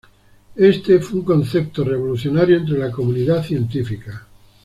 Este fue un concepto revolucionario entre la comunidad científica.